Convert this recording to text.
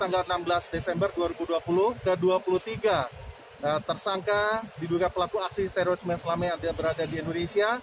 tanggal enam belas desember dua ribu dua puluh ke dua puluh tiga tersangka diduga pelaku aksi terorisme yang selama ini berada di indonesia